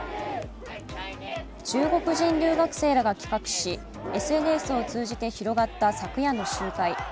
中国人留学生らが企画しＳＮＳを通じて広がった昨夜の集会。